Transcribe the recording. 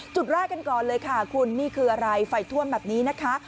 จุดแรกกันก่อนเลยค่ะคุณนี่คืออะไรไฟท่วมแบบนี้นะคะ